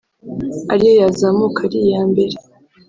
ari yo yazamuka ari iya mbere